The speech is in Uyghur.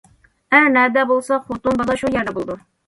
ئەر نەدە بولسا خوتۇن- بالا شۇ يەردە بولىدۇ.